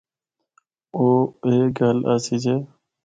او اے گل آسی جے۔